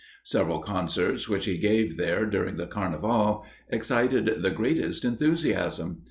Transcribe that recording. Several concerts which he gave there during the Carnival excited the greatest enthusiasm.